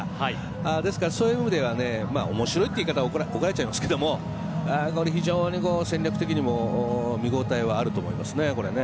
ですから、そういう意味では面白いという言い方怒られてしまいますが非常に戦略的にも見ごたえはあると思いますね。